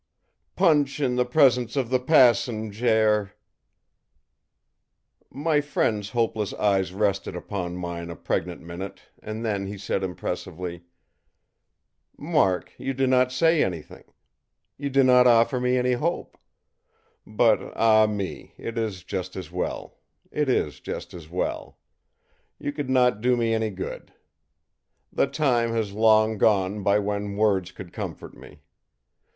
PUNCH in the presence of the passenjare!î My friend's hopeless eyes rested upon mine a pregnant minute, and then he said impressively: ìMark, you do not say anything. You do not offer me any hope. But, ah me, it is just as well it is just as well. You could not do me any good. The time has long gone by when words could comfort me.